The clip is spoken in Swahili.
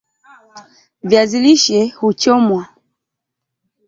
viazi lishe huchomwa